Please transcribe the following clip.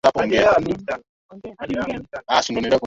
Matandiko yake yote yalikuwa chafu